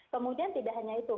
kemudian tidak hanya itu